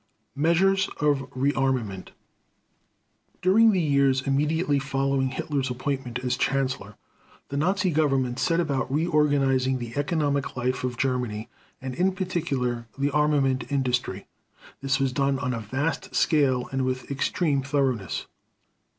Measures of Rearmament During the years immediately following Hitler's appointment as Chancellor, the Nazi Government set about reorganizing the economic life of Germany, and in particular the armament industry. This was done on a vast scale and with extreme thoroughness.